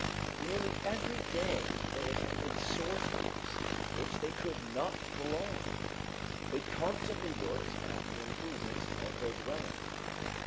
Nearly every day they attempted sorties which they could not prolong. They constantly worked at the improvement of their dwelling.